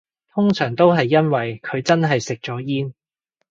通常都係因為佢真係食咗煙